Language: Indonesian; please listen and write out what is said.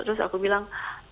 terus aku bilang